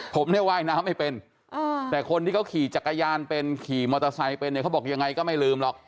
ผมเนี่ยว่ายน้ำไม่เป็นแต่คนที่เขาขี่จักรยานเป็นขี่มอเตอร์ไซค์เป็นเนี่ยเขาบอกยังไงก็ไม่ลืมหรอก